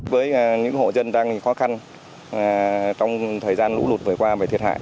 với những hộ dân đang bị khó khăn trong thời gian lũ lụt vừa qua và thiệt hại